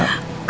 iya pak isi pak